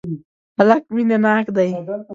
هلک مینه ناک دی.